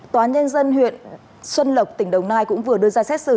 tnhh huyện xuân lộc tỉnh đồng nai cũng vừa đưa ra xét xử